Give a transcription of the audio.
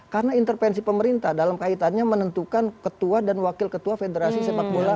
karena intervensi pemerintah dalam kaitannya menentukan ketua dan wakil ketua federasi sepak bola india